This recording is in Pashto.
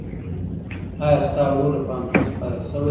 ایا ستا ورور له پوهنتون څخه فارغ شوی دی؟